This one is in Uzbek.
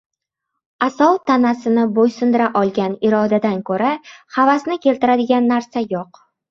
Asov tanasini bo‘ysundira olgan irodadan ko‘ra havasni keltiradigan narsa yo‘q.